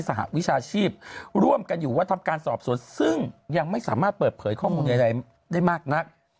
หวิชาชีพร่วมกันอยู่ว่าทำการสอบสวนซึ่งยังไม่สามารถเปิดเผยข้อมูลใดได้มากนัก